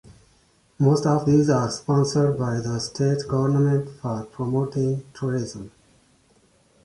Most of these are sponsored by the state government for promoting tourism.